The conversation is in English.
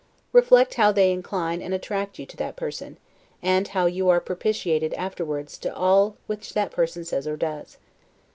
Reflect how they incline and attract you to that person, and how you are propitiated afterward to all which that person says or does.